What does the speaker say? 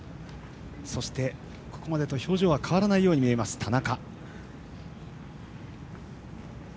そして、ここまでと表情が変わらないように見える、田中。